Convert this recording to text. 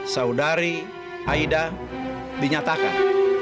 saudari aida dinyatakan